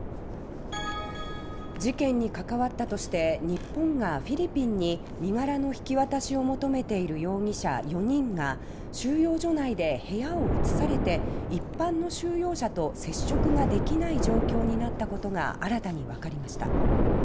事件に関わったとして日本がフィリピンに身柄の引き渡しを求めている容疑者４人が収容所内で部屋をうつされて一般の収容者と接触ができない状況になったことが新たにわかりました。